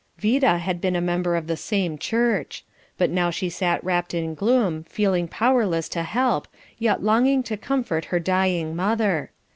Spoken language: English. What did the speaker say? Vida had been a member of the same church. But now she sat wrapped in gloom, feeling powerless to help, yet longing to comfort her dying mother.